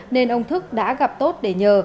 nên ông thức đã gặp tốt để nhờ